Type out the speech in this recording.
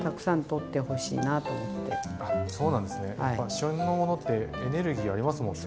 旬のものってエネルギーありますもんね。